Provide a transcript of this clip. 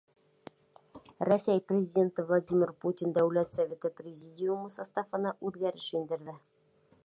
Рәсәй Президенты Владимир Путин Дәүләт Советы Президиумы составына үҙгәреш индерҙе.